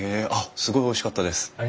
すごいおいしかったです。